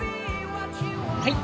はい。